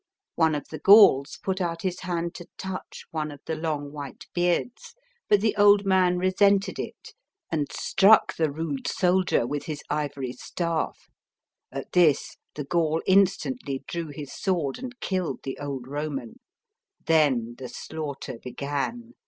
One of the Gauls put out his hand to touch one of the long white beards, but the old man resented it and struck the rude soldier with B,c. 390.] CAPTURE OF ROME. 153 his ivory staff. At this, the Gaul instantly drew his sword, and killed the old Koman. Then the slaughter began.